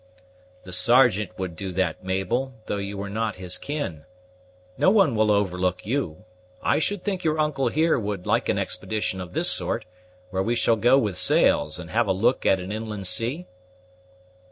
"The Sergeant would do that, Mabel, though you were not of his kin. No one will overlook you. I should think your uncle here would like an expedition of this sort, where we shall go with sails, and have a look at an inland sea?"